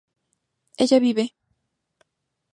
ella vive